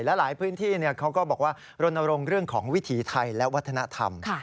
และหลายพื้นที่เขาก็บอกว่ารณรงค์เรื่องของวิถีไทยและวัฒนธรรม